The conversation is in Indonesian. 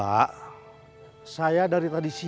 apa jadi aku kehilangan diri